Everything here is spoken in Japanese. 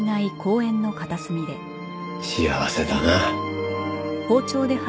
幸せだな。